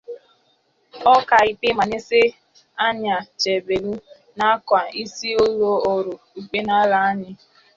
Ọkaikpe Manasseh Anyachebelụ nakwa isi ụlọ ọrụ ikpe n'ala anyị